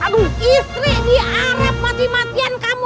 aduh istri diare mati matian kamu